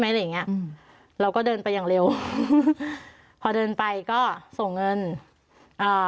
อะไรอย่างเงี้ยอืมเราก็เดินไปอย่างเร็วพอเดินไปก็ส่งเงินเอ่อ